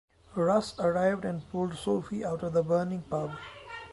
Russ arrived and pulled Sophie out of the burning pub.